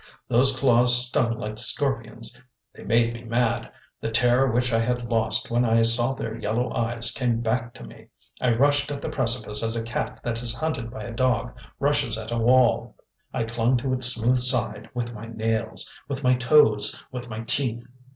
"Those claws stung like scorpions; they made me mad. The terror which I had lost when I saw their yellow eyes came back to me. I rushed at the precipice as a cat that is hunted by a dog rushes at a wall. I clung to its smooth side with my nails, with my toes, with my teeth.